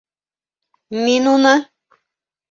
Мин уны...